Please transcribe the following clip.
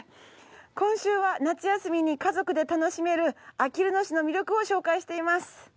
今週は夏休みに家族で楽しめるあきる野市の魅力を紹介しています。